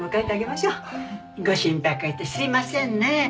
ご心配かけてすみませんね。